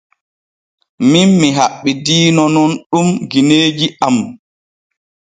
Min mi haɓɓidiino nun ɗum gineeji am.